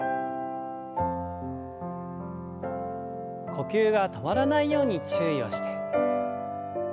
呼吸が止まらないように注意をして。